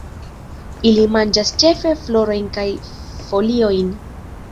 Ili manĝas ĉefe florojn kaj foliojn.